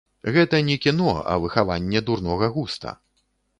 Гэта не кіно, а выхаванне дурнога густа.